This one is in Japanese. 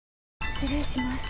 失礼します。